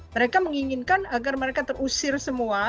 mereka menginginkan agar mereka terusir semua